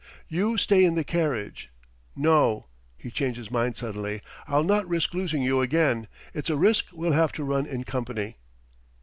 You stay in the carriage.... No!" He changed his mind suddenly. "I'll not risk losing you again. It's a risk we'll have to run in company."